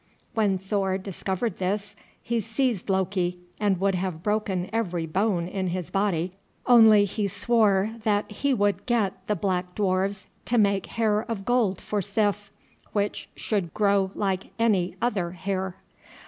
When Thor discovered this he seized Loki, and would have broken every bone in his body, only he swore that he would get the black dwarfs to make hair of gold for Sif, which should grow like any other hair.